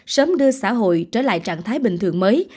sớm đưa xã hội trở lại trạng thái bình thường mới